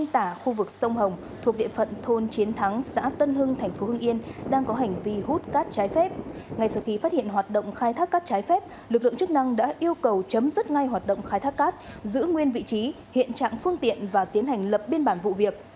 trong khai thác cắt trái phép lực lượng chức năng đã yêu cầu chấm dứt ngay hoạt động khai thác cắt giữ nguyên vị trí hiện trạng phương tiện và tiến hành lập biên bản vụ việc